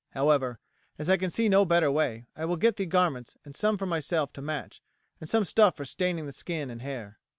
However, as I can see no better way, I will get the garments and some for myself to match, and some stuff for staining the skin and hair."